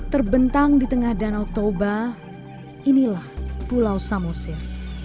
terbentang di tengah danau toba inilah pulau samosir